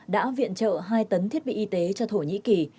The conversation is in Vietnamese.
đã viện trợ hai tấn thiết bị y tế cho thổ nhĩ kỳ